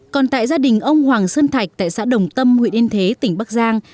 còn tại gia đình ông hoàng sơn thạch tại xã đồng tâm huyện yên thế tỉnh bắc giang